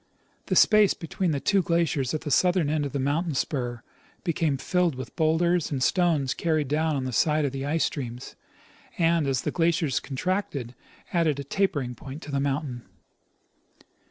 The space between the two glaciers at the southern end of the mountain spur became filled with bowlders and stones carried down on the side of the ice streams, and, as the glaciers contracted, added a tapering point to the mountain.